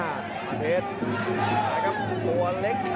มาร์เทศขุมทำหน้ากับสตัวเล็ก